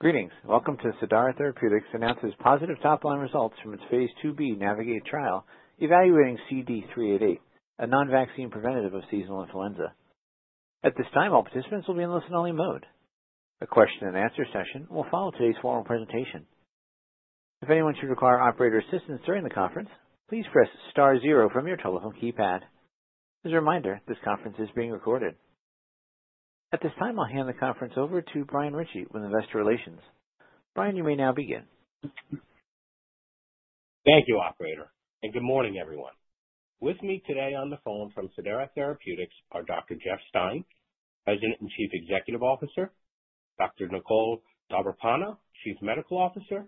Greetings. Welcome to Cidara Therapeutics to announce its positive top-line results from its phase II-B Navigate trial evaluating CD388, a non-vaccine preventative of seasonal influenza. At this time, all participants will be in listen-only mode. A question-and-answer session will follow today's formal presentation. If anyone should require operator assistance during the conference, please press star zero from your telephone keypad. As a reminder, this conference is being recorded. At this time, I'll hand the conference over to Brian Ritchie with Investor Relations. Brian, you may now begin. Thank you, Operator. Good morning, everyone. With me today on the phone from Cidara Therapeutics are Dr. Jeff Stein, President and Chief Executive Officer, and Dr. Nicole Davarpanah, Chief Medical Officer.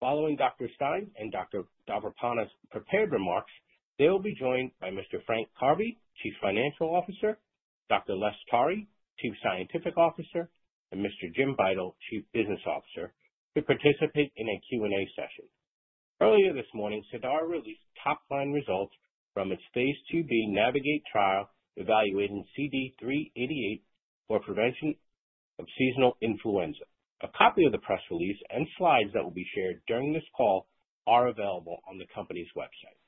Following Dr. Stein and Dr. Davarpanah's prepared remarks, they will be joined by Mr. Frank Karbe, Chief Financial Officer, Dr. Les Tari, Chief Scientific Officer, and Mr. Jim Beitel, Chief Business Officer, to participate in a Q&A session. Earlier this morning, Cidara released top-line results from its phase II-B Navigate trial evaluating CD388 for prevention of seasonal influenza. A copy of the press release and slides that will be shared during this call are available on the company's website.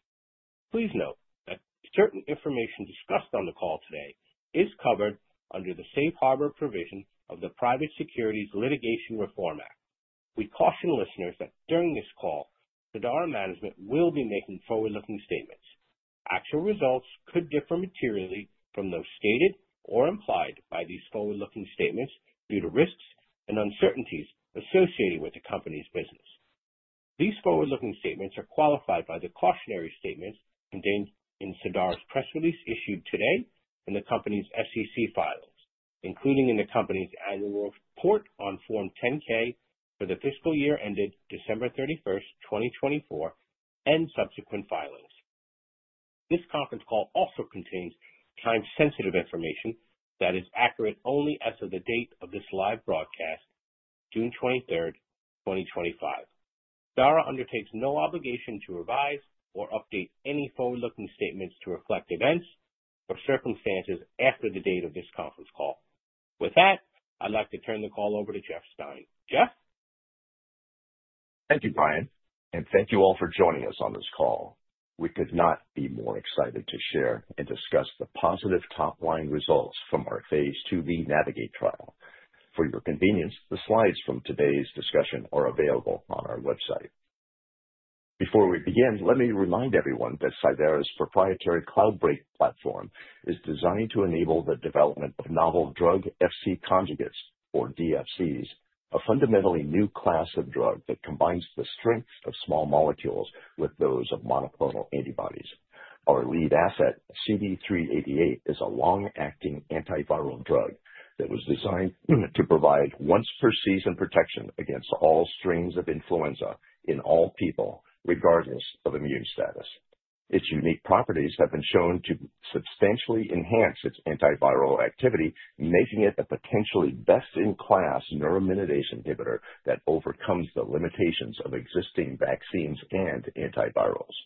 Please note that certain information discussed on the call today is covered under the safe harbor provision of the Private Securities Litigation Reform Act. We caution listeners that during this call, Cidara management will be making forward-looking statements. Actual results could differ materially from those stated or implied by these forward-looking statements due to risks and uncertainties associated with the company's business. These forward-looking statements are qualified by the cautionary statements contained in Cidara's press release issued today and the company's SEC filings, including in the company's annual report on Form 10-K for the fiscal year ended December 31, 2024, and subsequent filings. This conference call also contains time-sensitive information that is accurate only as of the date of this live broadcast, June 23, 2025. Cidara undertakes no obligation to revise or update any forward-looking statements to reflect events or circumstances after the date of this conference call. With that, I'd like to turn the call over to Jeff Stein. Jeff? Thank you, Brian, and thank you all for joining us on this call. We could not be more excited to share and discuss the positive top-line results from our phase II-B Navigate trial. For your convenience, the slides from today's discussion are available on our website. Before we begin, let me remind everyone that Cidara's proprietary Cloudbreak platform is designed to enable the development of novel drug-Fc conjugates, or DFCs, a fundamentally new class of drug that combines the strength of small molecules with those of monoclonal antibodies. Our lead asset, CD388, is a long-acting antiviral drug that was designed to provide once-per-season protection against all strains of influenza in all people, regardless of immune status. Its unique properties have been shown to substantially enhance its antiviral activity, making it a potentially best-in-class neuraminidase inhibitor that overcomes the limitations of existing vaccines and antivirals.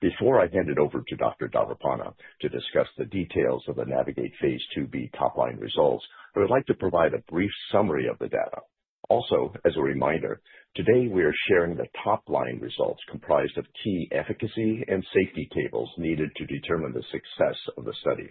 Before I hand it over to Dr. Davarpanah to discuss the details of the Navigate phase II-b top-line results, I would like to provide a brief summary of the data. Also, as a reminder, today we are sharing the top-line results comprised of key efficacy and safety tables needed to determine the success of the study.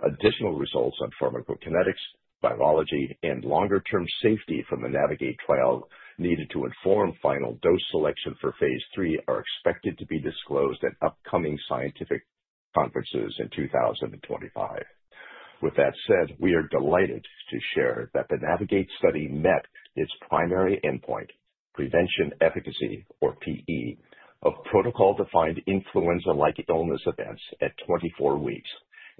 Additional results on pharmacokinetics, biology, and longer-term safety from the Navigate trial needed to inform final dose selection for phase III are expected to be disclosed at upcoming scientific conferences in 2025. With that said, we are delighted to share that the Navigate study met its primary endpoint, prevention efficacy, or PE, of protocol-defined influenza-like illness events at 24 weeks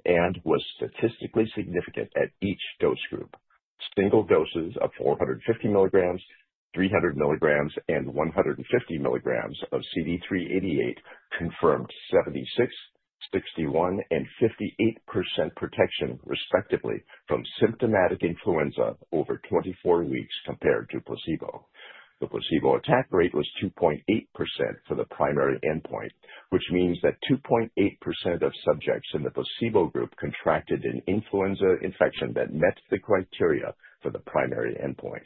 and was statistically significant at each dose group. Single doses of 450 milligrams, 300 milligrams, and 150 milligrams of CD388 confirmed 76%, 61%, and 58% protection, respectively, from symptomatic influenza over 24 weeks compared to placebo. The placebo attack rate was 2.8% for the primary endpoint, which means that 2.8% of subjects in the placebo group contracted an influenza infection that met the criteria for the primary endpoint.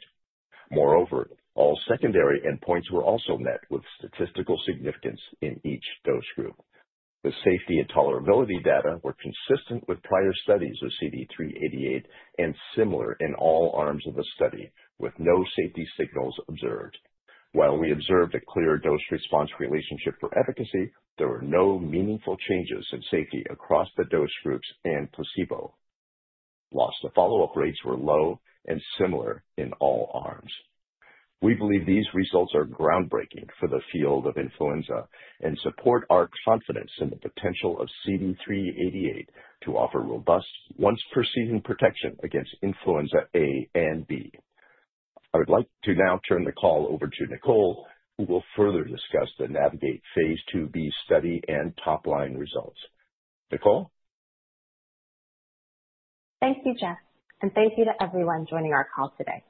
Moreover, all secondary endpoints were also met with statistical significance in each dose group. The safety and tolerability data were consistent with prior studies of CD388 and similar in all arms of the study, with no safety signals observed. While we observed a clear dose-response relationship for efficacy, there were no meaningful changes in safety across the dose groups and placebo. Loss-to-follow-up rates were low and similar in all arms. We believe these results are groundbreaking for the field of influenza and support our confidence in the potential of CD388 to offer robust once-per-season protection against influenza A and B. I would like to now turn the call over to Nicole, who will further discuss the Navigate phase II-B study and top-line results. Nicole? Thank you, Jeff, and thank you to everyone joining our call today.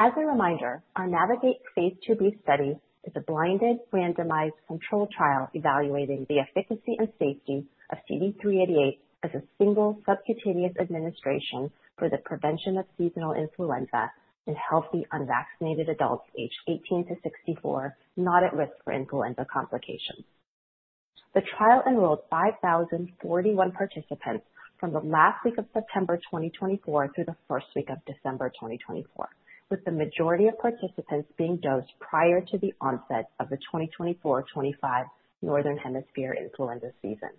As a reminder, our Navigate phase II-B study is a blinded, randomized control trial evaluating the efficacy and safety of CD388 as a single subcutaneous administration for the prevention of seasonal influenza in healthy unvaccinated adults aged 18 to 64 not at risk for influenza complications. The trial enrolled 5,041 participants from the last week of September 2024 through the first week of December 2024, with the majority of participants being dosed prior to the onset of the 2024-2025 Northern Hemisphere influenza season.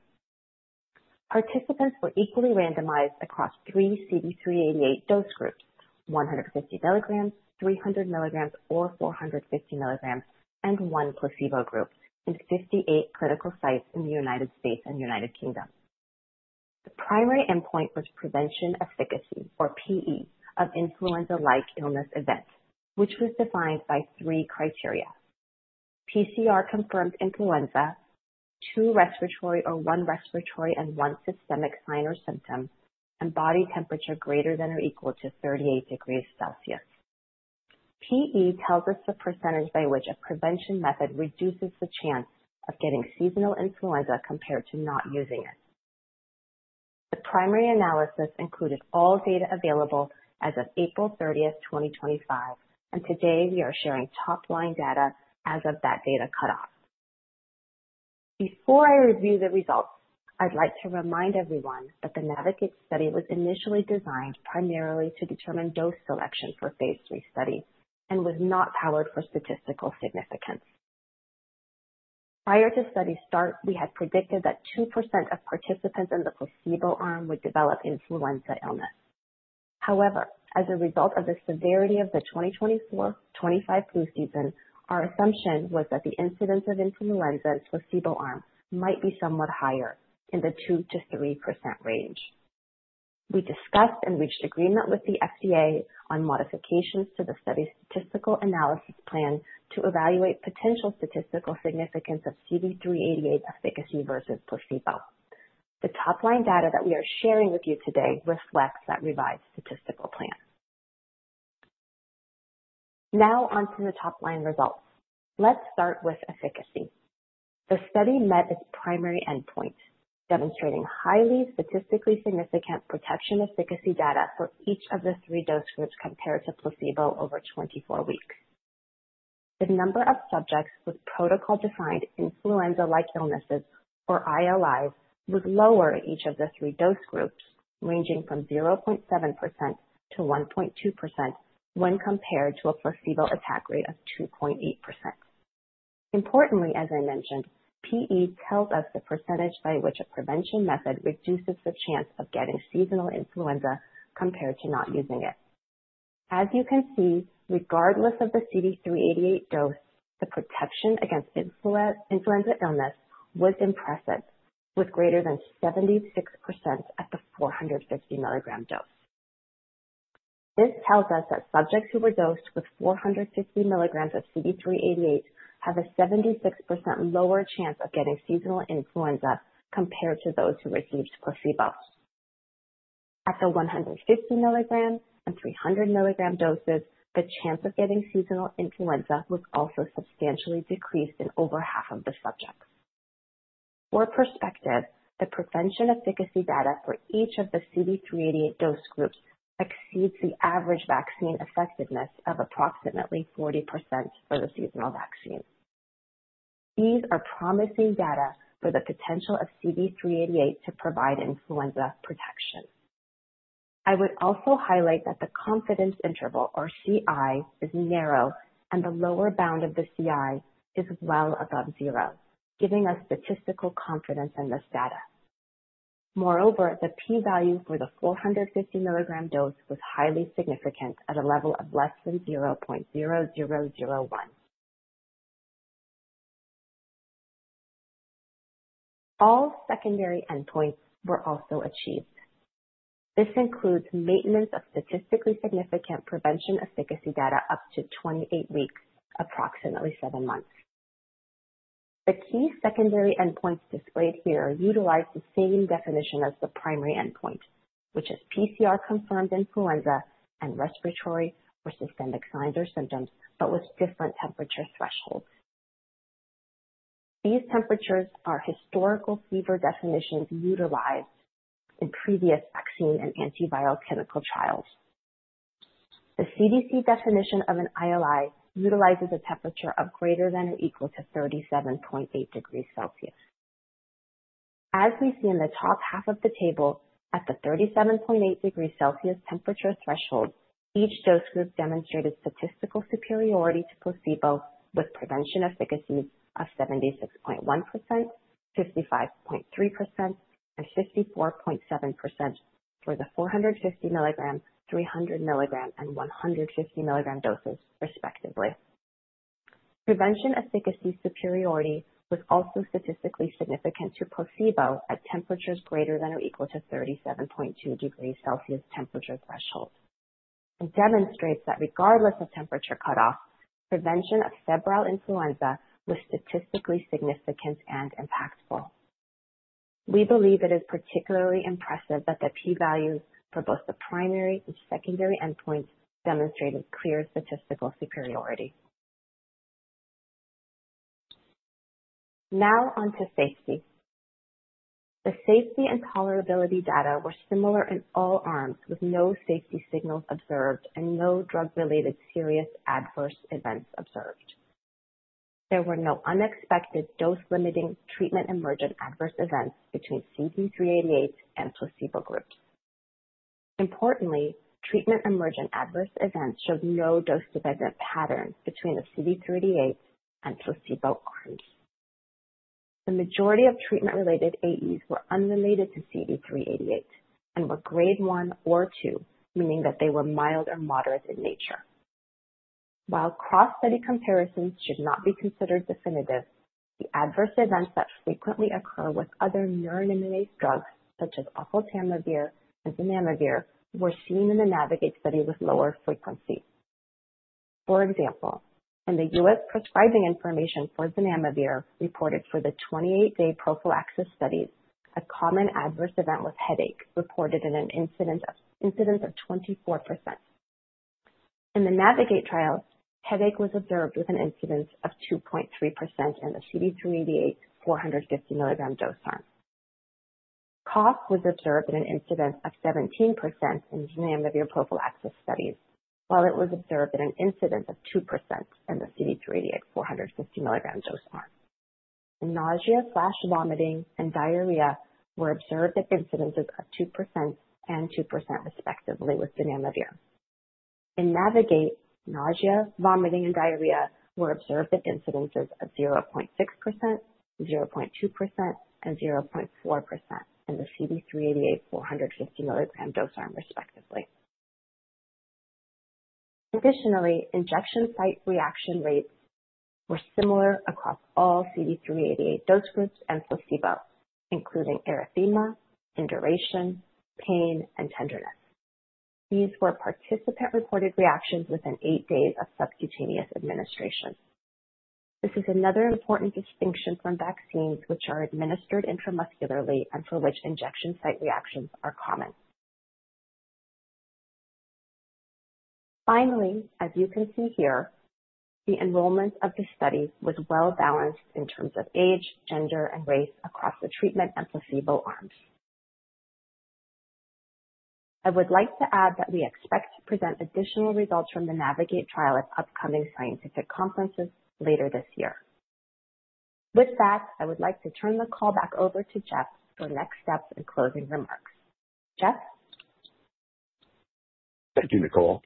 Participants were equally randomized across three CD388 dose groups: 150 milligrams, 300 milligrams, or 450 milligrams, and one placebo group in 58 clinical sites in the United States and United Kingdom. The primary endpoint was prevention efficacy, or PE, of influenza-like illness events, which was defined by three criteria: PCR-confirmed influenza, two respiratory or one respiratory and one systemic sign or symptom, and body temperature greater than or equal to 38 degrees Celsius. PE tells us the percentage by which a prevention method reduces the chance of getting seasonal influenza compared to not using it. The primary analysis included all data available as of April 30, 2025, and today we are sharing top-line data as of that data cutoff. Before I review the results, I'd like to remind everyone that the Navigate study was initially designed primarily to determine dose selection for phase III studies and was not powered for statistical significance. Prior to study start, we had predicted that 2% of participants in the placebo arm would develop influenza illness. However, as a result of the severity of the 2024-2025 flu season, our assumption was that the incidence of influenza in placebo arms might be somewhat higher, in the 2%-3% range. We discussed and reached agreement with the FDA on modifications to the study's statistical analysis plan to evaluate potential statistical significance of CD388 efficacy versus placebo. The top-line data that we are sharing with you today reflects that revised statistical plan. Now on to the top-line results. Let's start with efficacy. The study met its primary endpoint, demonstrating highly statistically significant protection efficacy data for each of the three dose groups compared to placebo over 24 weeks. The number of subjects with protocol-defined influenza-like illnesses, or ILIs, was lower in each of the three dose groups, ranging from 0.7%-1.2% when compared to a placebo attack rate of 2.8%. Importantly, as I mentioned, PE tells us the percentage by which a prevention method reduces the chance of getting seasonal influenza compared to not using it. As you can see, regardless of the CD388 dose, the protection against influenza illness was impressive, with greater than 76% at the 450 milligram dose. This tells us that subjects who were dosed with 450 milligrams of CD388 have a 76% lower chance of getting seasonal influenza compared to those who received placebo. At the 150 milligram and 300 milligram doses, the chance of getting seasonal influenza was also substantially decreased in over half of the subjects. For perspective, the prevention efficacy data for each of the CD388 dose groups exceeds the average vaccine effectiveness of approximately 40% for the seasonal vaccine. These are promising data for the potential of CD388 to provide influenza protection. I would also highlight that the confidence interval, or CI, is narrow, and the lower bound of the CI is well above zero, giving us statistical confidence in this data. Moreover, the P value for the 450 milligram dose was highly significant at a level of less than 0.0001. All secondary endpoints were also achieved. This includes maintenance of statistically significant prevention efficacy data up to 28 weeks, approximately seven months. The key secondary endpoints displayed here utilize the same definition as the primary endpoint, which is PCR-confirmed influenza and respiratory or systemic signs or symptoms, but with different temperature thresholds. These temperatures are historical fever definitions utilized in previous vaccine and antiviral clinical trials. The CDC definition of an ILI utilizes a temperature of greater than or equal to 37.8 degrees Celsius. As we see in the top half of the table, at the 37.8 degrees Celsius temperature threshold, each dose group demonstrated statistical superiority to placebo with prevention efficacy of 76.1%, 55.3%, and 54.7% for the 450 milligram, 300 milligram, and 150 milligram doses, respectively. Prevention efficacy superiority was also statistically significant to placebo at temperatures greater than or equal to 37.2 degrees Celsius temperature threshold and demonstrates that regardless of temperature cutoff, prevention of febrile influenza was statistically significant and impactful. We believe it is particularly impressive that the P values for both the primary and secondary endpoints demonstrated clear statistical superiority. Now on to safety. The safety and tolerability data were similar in all arms, with no safety signals observed and no drug-related serious adverse events observed. There were no unexpected dose-limiting treatment emergent adverse events between CD388 and placebo groups. Importantly, treatment emergent adverse events showed no dose-dependent pattern between the CD388 and placebo arms. The majority of treatment-related AEs were unrelated to CD388 and were grade 1 or 2, meaning that they were mild or moderate in nature. While cross-study comparisons should not be considered definitive, the adverse events that frequently occur with other neuraminidase drugs, such as oseltamivir and zanamivir, were seen in the Navigate study with lower frequency. For example, in the U.S. prescribing information for zanamivir reported for the 28-day prophylaxis studies, a common adverse event was headache, reported in an incidence of 24%. In the Navigate trial, headache was observed with an incidence of 2.3% in the CD388 450 milligram dose arm. Cough was observed in an incidence of 17% in zanamivir prophylaxis studies, while it was observed in an incidence of 2% in the CD388 450 milligram dose arm. Nausea/vomiting and diarrhea were observed at incidences of 2% and 2%, respectively, with zanamivir. In Navigate, nausea, vomiting, and diarrhea were observed at incidences of 0.6%, 0.2%, and 0.4% in the CD388 450 milligram dose arm, respectively. Additionally, injection site reaction rates were similar across all CD388 dose groups and placebo, including erythema, induration, pain, and tenderness. These were participant-reported reactions within eight days of subcutaneous administration. This is another important distinction from vaccines which are administered intramuscularly and for which injection site reactions are common. Finally, as you can see here, the enrollment of the study was well-balanced in terms of age, gender, and race across the treatment and placebo arms. I would like to add that we expect to present additional results from the Navigate trial at upcoming scientific conferences later this year. With that, I would like to turn the call back over to Jeff for next steps and closing remarks. Jeff? Thank you, Nicole.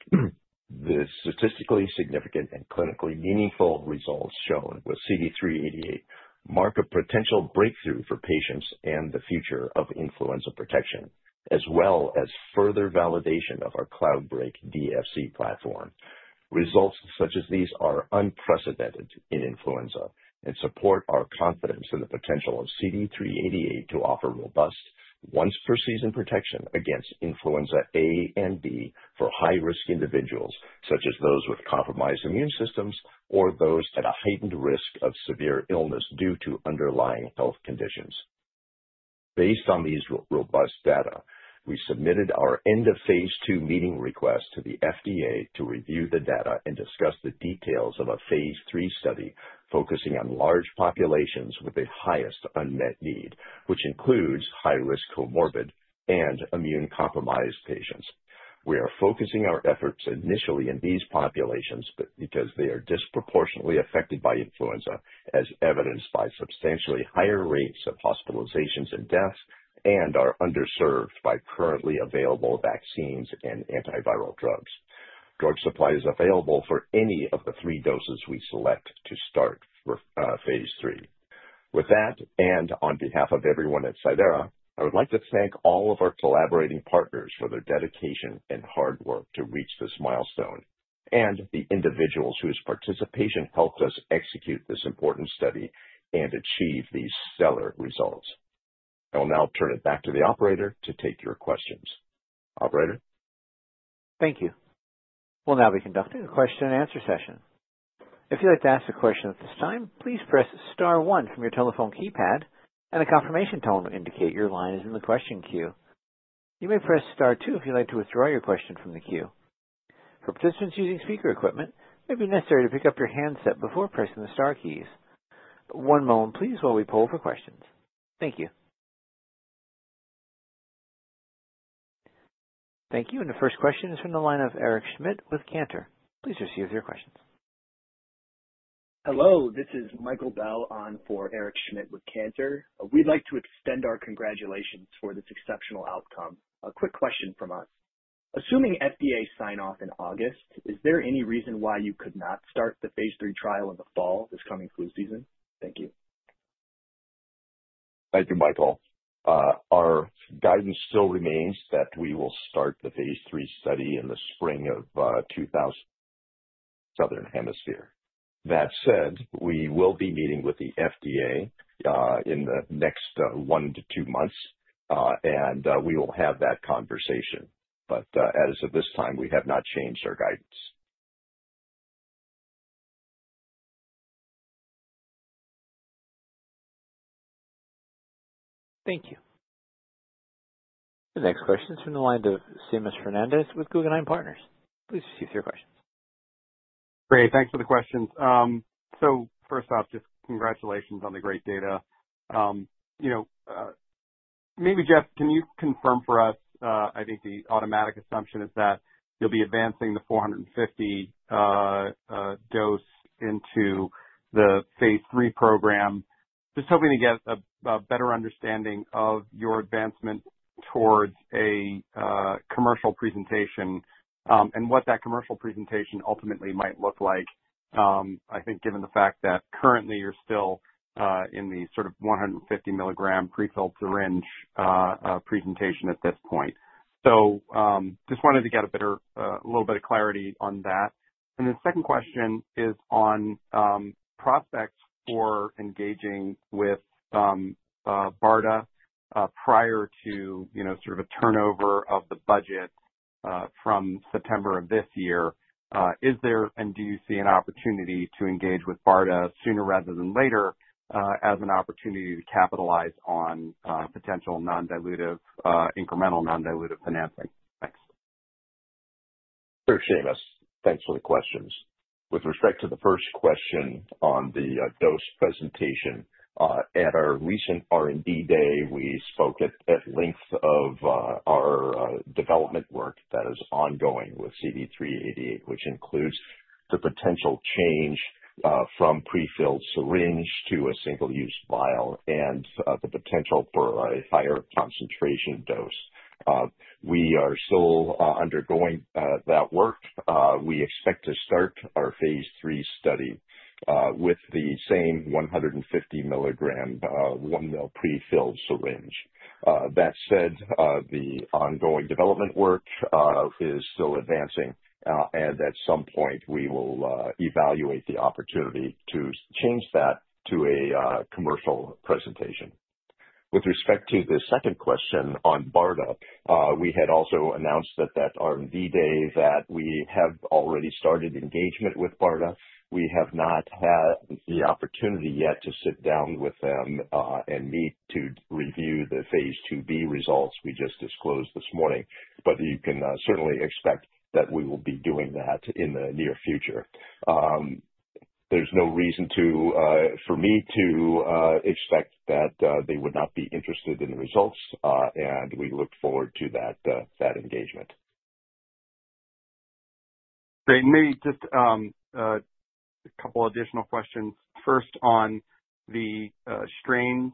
The statistically significant and clinically meaningful results shown with CD388 mark a potential breakthrough for patients and the future of influenza protection, as well as further validation of our Cloudbreak DFC platform. Results such as these are unprecedented in influenza and support our confidence in the potential of CD388 to offer robust once-per-season protection against influenza A and B for high-risk individuals, such as those with compromised immune systems or those at a heightened risk of severe illness due to underlying health conditions. Based on these robust data, we submitted our end-of-phase II meeting request to the FDA to review the data and discuss the details of a phase III study focusing on large populations with the highest unmet need, which includes high-risk comorbid and immune-compromised patients. We are focusing our efforts initially in these populations because they are disproportionately affected by influenza, as evidenced by substantially higher rates of hospitalizations and deaths, and are underserved by currently available vaccines and antiviral drugs. Drug supply is available for any of the three doses we select to start phase III. With that, and on behalf of everyone at Cidara, I would like to thank all of our collaborating partners for their dedication and hard work to reach this milestone, and the individuals whose participation helped us execute this important study and achieve these stellar results. I will now turn it back to the operator to take your questions. Operator? Thank you. We'll now be conducting a question-and-answer session. If you'd like to ask a question at this time, please press star one from your telephone keypad, and a confirmation tone will indicate your line is in the question queue. You may press star two if you'd like to withdraw your question from the queue. For participants using speaker equipment, it may be necessary to pick up your handset before pressing the star keys. One moment, please, while we pull for questions. Thank you. The first question is from the line of Eric Schmidt with Cantor. Please proceed with your questions. Hello. This is Michael [Dao] on for Eric Schmidt with Cantor. We'd like to extend our congratulations for this exceptional outcome. A quick question from us. Assuming FDA sign-off in August, is there any reason why you could not start the phase III trial in the fall this coming flu season? Thank you. Thank you, Michael. Our guidance still remains that we will start the phase III study in the spring of 2024. Southern hemisphere. That said, we will be meeting with the FDA in the next one to two months, and we will have that conversation. As of this time, we have not changed our guidance. Thank you. The next question is from the line of Seamus Fernandez with Guggenheim Partners. Please proceed with your questions. Great. Thanks for the questions. First off, just congratulations on the great data. Maybe, Jeff, can you confirm for us, I think the automatic assumption is that you'll be advancing the 450 dose into the phase III program. Just hoping to get a better understanding of your advancement towards a commercial presentation and what that commercial presentation ultimately might look like, I think, given the fact that currently you're still in the sort of 150 milligram prefilled syringe presentation at this point. Just wanted to get a little bit of clarity on that. The second question is on prospects for engaging with BARDA prior to sort of a turnover of the budget from September of this year. Is there and do you see an opportunity to engage with BARDA sooner rather than later as an opportunity to capitalize on potential non-dilutive incremental non-dilutive financing? Thanks. Sure, Seamus. Thanks for the questions. With respect to the first question on the dose presentation, at our recent R&D day, we spoke at length of our development work that is ongoing with CD388, which includes the potential change from prefilled syringe to a single-use vial and the potential for a higher concentration dose. We are still undergoing that work. We expect to start our phase III study with the same 150 milligram one-mill prefilled syringe. That said, the ongoing development work is still advancing, and at some point, we will evaluate the opportunity to change that to a commercial presentation. With respect to the second question on BARDA, we had also announced at that R&D day that we have already started engagement with BARDA. We have not had the opportunity yet to sit down with them and meet to review the phase II-b results we just disclosed this morning, but you can certainly expect that we will be doing that in the near future. There is no reason for me to expect that they would not be interested in the results, and we look forward to that engagement. Great. Maybe just a couple of additional questions. First, on the strains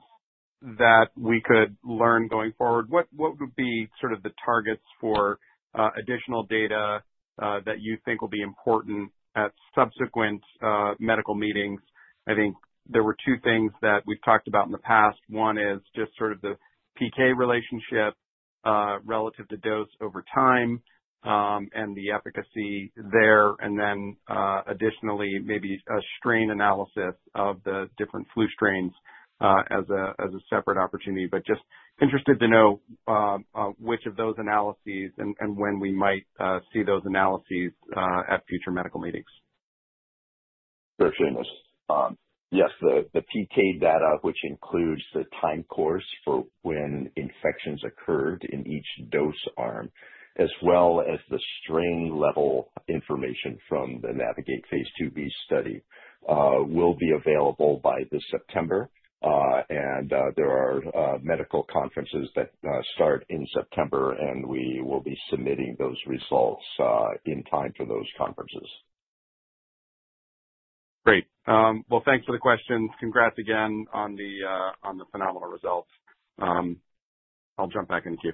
that we could learn going forward, what would be sort of the targets for additional data that you think will be important at subsequent medical meetings? I think there were two things that we've talked about in the past. One is just sort of the PK relationship relative to dose over time and the efficacy there, and then additionally, maybe a strain analysis of the different flu strains as a separate opportunity. Just interested to know which of those analyses and when we might see those analyses at future medical meetings. Sure, Seamus. Yes, the PK data, which includes the time course for when infections occurred in each dose arm, as well as the strain-level information from the Navigate phase II-b study, will be available by this September. There are medical conferences that start in September, and we will be submitting those results in time for those conferences. Great. Thanks for the questions. Congrats again on the phenomenal results. I'll jump back into you.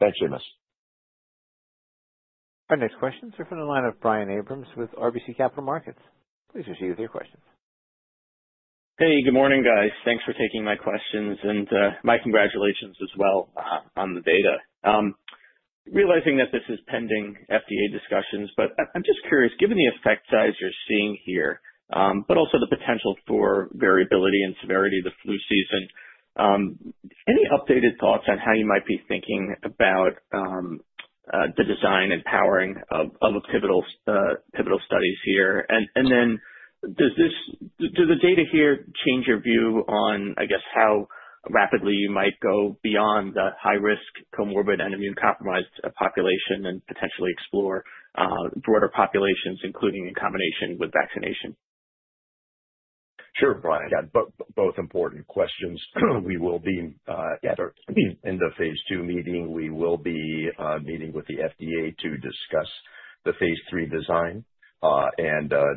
Thanks, Seamus. Our next questions are from the line of Brian Abrahams with RBC Capital Markets. Please proceed with your questions. Hey, good morning, guys. Thanks for taking my questions, and my congratulations as well on the data. Realizing that this is pending FDA discussions, but I'm just curious, given the effect size you're seeing here, but also the potential for variability and severity of the flu season, any updated thoughts on how you might be thinking about the design and powering of pivotal studies here? Does the data here change your view on, I guess, how rapidly you might go beyond the high-risk comorbid and immune-compromised population and potentially explore broader populations, including in combination with vaccination? Sure, Brian. Again, both important questions. We will be, at our end-of-phase II meeting, we will be meeting with the FDA to discuss the phase III design.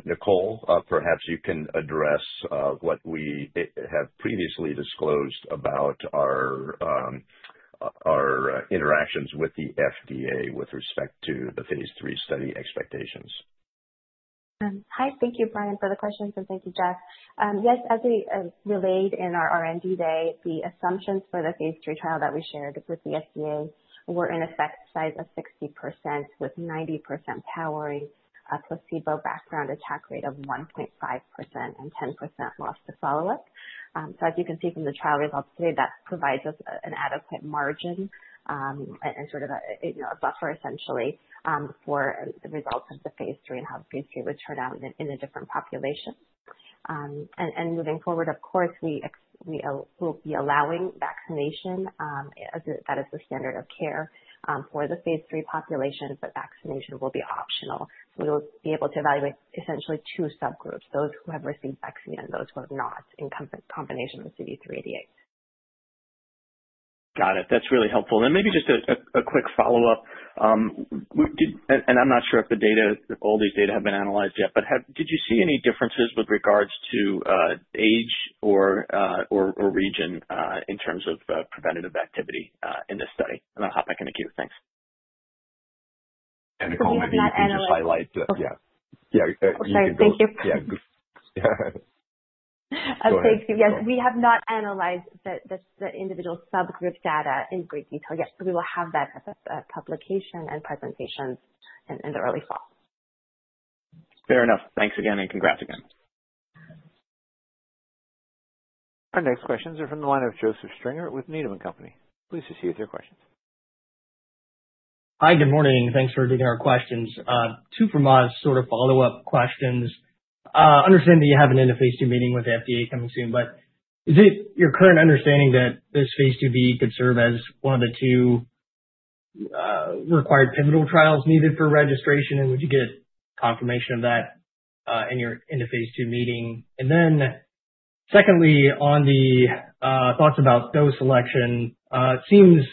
Nicole, perhaps you can address what we have previously disclosed about our interactions with the FDA with respect to the phase III study expectations. Hi. Thank you, Brian, for the questions, and thank you, Jeff. Yes, as we relayed in our R&D day, the assumptions for the phase III trial that we shared with the FDA were, in effect, a size of 60% with 90% powering, a placebo background attack rate of 1.5%, and 10% loss to follow-up. As you can see from the trial results today, that provides us an adequate margin and sort of a buffer, essentially, for the results of the phase III and how the phase III would turn out in a different population. Moving forward, of course, we will be allowing vaccination; that is the standard of care for the phase III population, but vaccination will be optional. We will be able to evaluate essentially two subgroups: those who have received vaccine and those who have not, in combination with CD388. Got it. That's really helpful. Maybe just a quick follow-up. I'm not sure if all these data have been analyzed yet, but did you see any differences with regards to age or region in terms of preventative activity in this study? I'll hop back into you. Thanks. Nicole, maybe you can just highlight. Oh, sorry. Thank you. Yeah. Thank you. Yes, we have not analyzed the individual subgroup data in great detail yet, but we will have that publication and presentations in the early fall. Fair enough. Thanks again, and congrats again. Our next questions are from the line of Joseph Stringer with Needham & Company. Please proceed with your questions. Hi, good morning. Thanks for taking our questions. Two from us, sort of follow-up questions. Understanding that you have an end-of-phase II meeting with the FDA coming soon, but is it your current understanding that this phase II-B could serve as one of the two required pivotal trials needed for registration, and would you get confirmation of that in your end-of-phase II meeting? Secondly, on the thoughts about dose selection, it seems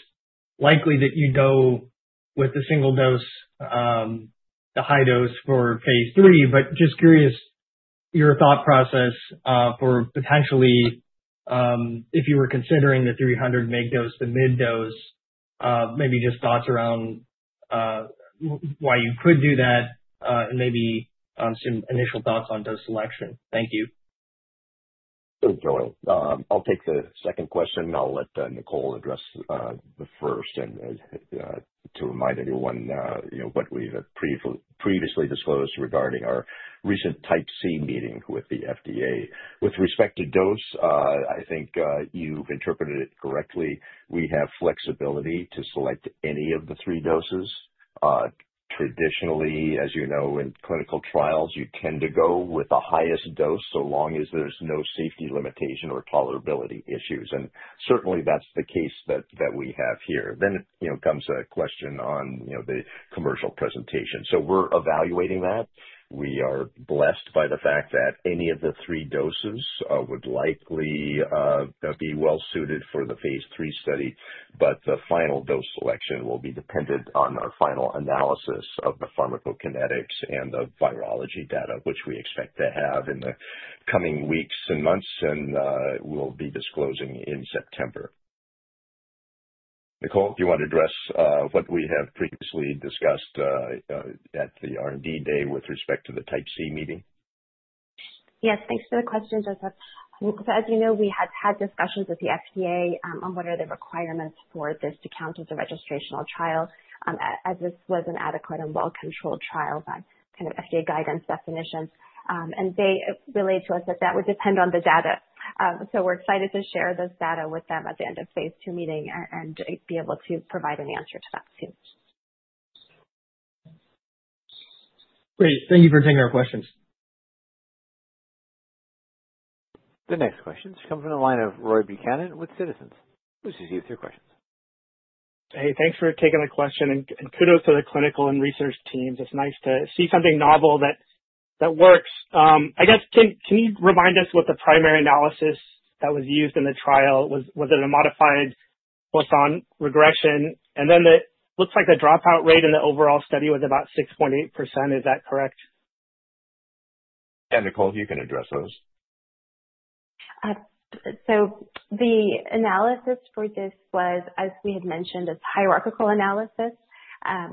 likely that you'd go with the single dose, the high dose for phase III, but just curious your thought process for potentially, if you were considering the 300 mg dose, the mid-dose, maybe just thoughts around why you could do that, and maybe some initial thoughts on dose selection. Thank you. [Sure, Joy]. I'll take the second question, and I'll let Nicole address the first, and to remind everyone what we've previously disclosed regarding our recent type C meeting with the FDA. With respect to dose, I think you've interpreted it correctly. We have flexibility to select any of the three doses. Traditionally, as you know, in clinical trials, you tend to go with the highest dose so long as there's no safety limitation or tolerability issues. Certainly, that's the case that we have here. Then comes a question on the commercial presentation. We're evaluating that. We are blessed by the fact that any of the three doses would likely be well-suited for the phase III study, but the final dose selection will be dependent on our final analysis of the pharmacokinetics and the virology data, which we expect to have in the coming weeks and months, and we'll be disclosing in September. Nicole, do you want to address what we have previously discussed at the R&D day with respect to the type C meeting? Yes, thanks for the questions, Joseph. As you know, we had had discussions with the FDA on what are the requirements for this to count as a registrational trial, as this was an adequate and well-controlled trial by kind of FDA guidance definitions. They relayed to us that that would depend on the data. We are excited to share this data with them at the end-of-phase II meeting and be able to provide an answer to that too. Great. Thank you for taking our questions. The next questions come from the line of Roy Buchanan with Citizens. Please proceed with your questions. Hey, thanks for taking the question, and kudos to the clinical and research teams. It's nice to see something novel that works. I guess, can you remind us what the primary analysis that was used in the trial was? Was it a modified boson regression? And then it looks like the dropout rate in the overall study was about 6.8%. Is that correct? Yeah, Nicole, you can address those. The analysis for this was, as we had mentioned, a hierarchical analysis.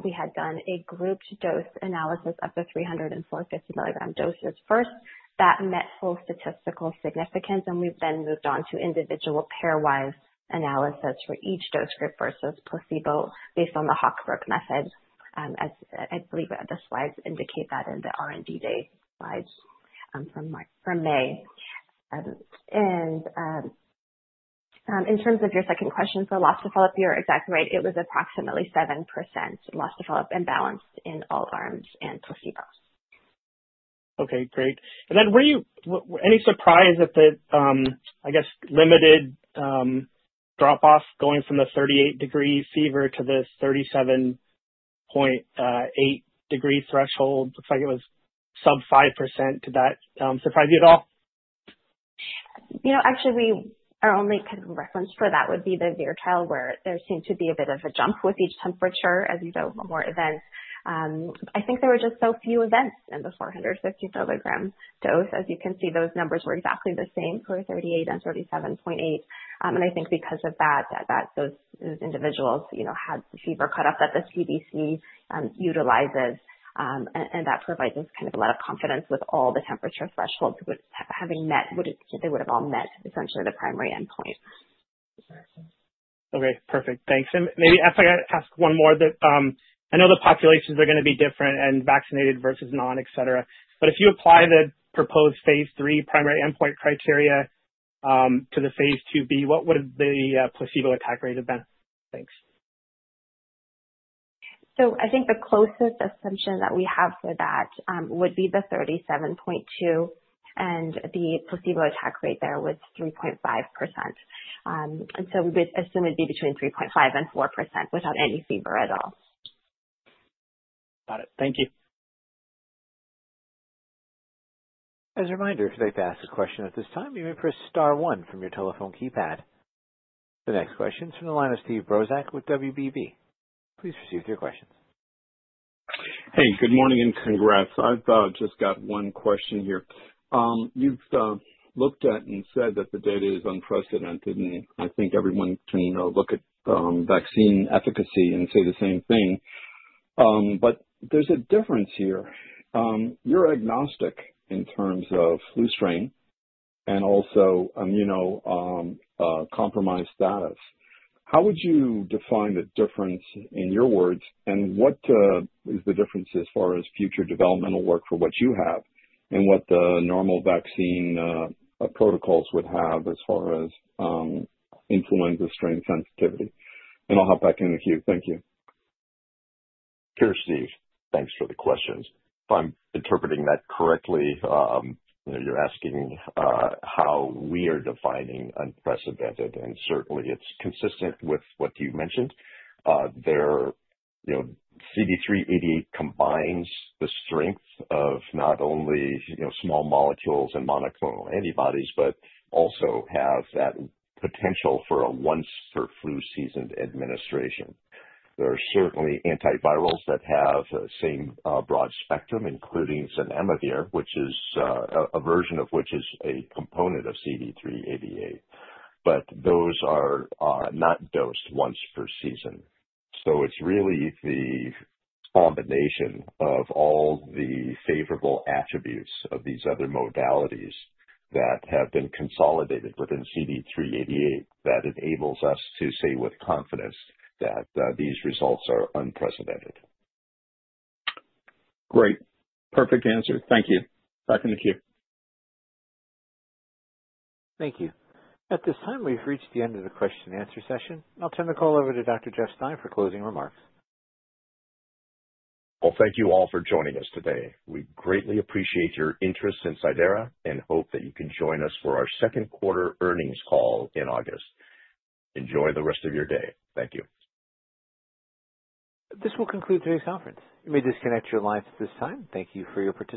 We had done a grouped dose analysis of the 300 and 450 milligram doses first. That met full statistical significance, and we've then moved on to individual pairwise analysis for each dose group versus placebo based on the Hochberg method, as I believe the slides indicate that in the R&D day slides from May. In terms of your second question for loss to follow-up, you're exactly right. It was approximately 7% loss to follow-up, imbalanced in all arms and placebos. Okay, great. Were you any surprised at the, I guess, limited drop-off going from the 38 degrees Celsius fever to the 37.8 degrees Celsius threshold? Looks like it was sub 5%. Did that surprise you at all? Actually, our only kind of reference for that would be the VIR trial, where there seemed to be a bit of a jump with each temperature as you go from more events. I think there were just so few events in the 450 milligram dose. As you can see, those numbers were exactly the same for 38 and 37.8. I think because of that, those individuals had the fever cut off that the CDC utilizes, and that provides us kind of a lot of confidence with all the temperature thresholds having met what they would have all met, essentially, the primary endpoint. Okay, perfect. Thanks. Maybe I'd like to ask one more. I know the populations are going to be different and vaccinated versus non, etc., but if you apply the proposed phase III primary endpoint criteria to the phase II-B, what would the placebo attack rate have been? Thanks. I think the closest assumption that we have for that would be the 37.2, and the placebo attack rate there was 3.5%. We would assume it would be between 3.5% and 4% without any fever at all. Got it. Thank you. As a reminder, if you'd like to ask a question at this time, you may press star one from your telephone keypad. The next question is from the line of Steve Brozak with WBB Securities. Please proceed with your questions. Hey, good morning and congrats. I've just got one question here. You've looked at and said that the data is unprecedented, and I think everyone can look at vaccine efficacy and say the same thing. There's a difference here. You're agnostic in terms of flu strain and also immunocompromised status. How would you define the difference in your words, and what is the difference as far as future developmental work for what you have and what the normal vaccine protocols would have as far as influenza strain sensitivity? I'll hop back into you. Thank you. Sure, Steve. Thanks for the questions. If I'm interpreting that correctly, you're asking how we are defining unprecedented, and certainly, it's consistent with what you mentioned. CD388 combines the strength of not only small molecules and monoclonal antibodies, but also has that potential for a once-per-flu-season administration. There are certainly antivirals that have the same broad spectrum, including zanamivir, which is a version of which is a component of CD388. Those are not dosed once per season. It is really the combination of all the favorable attributes of these other modalities that have been consolidated within CD388 that enables us to say with confidence that these results are unprecedented. Great. Perfect answer. Thank you. Back into you. Thank you. At this time, we've reached the end of the question-and-answer session. I'll turn the call over to Dr. Jeff Stein for closing remarks. Thank you all for joining us today. We greatly appreciate your interest in Cidara and hope that you can join us for our second quarter earnings call in August. Enjoy the rest of your day. Thank you. This will conclude today's conference. You may disconnect your lines at this time. Thank you for your participation.